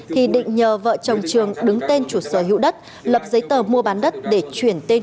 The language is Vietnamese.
thì định nhờ vợ chồng trường đứng tên chủ sở hữu đất lập giấy tờ mua bán đất để chuyển tên